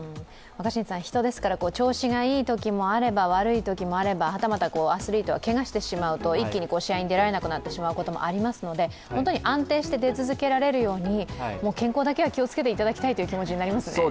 人ですから、調子がいいときもあれば、悪いときもあれば、はたまたアスリートはけがしてしまうと一気に試合に出られなくなってしまうこともありますので、本当に安定して出続けられるように健康だけは気をつけていただきたいという気持ちになりますね。